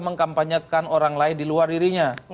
mengkampanyekan orang lain di luar dirinya